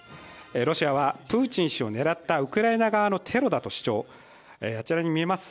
ロシアはプーチン氏を狙ったウクライナ側のテロだと主張、あちらに見えます